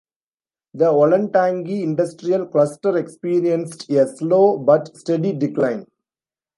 The Olentangy Industrial Cluster experienced a slow but steady decline.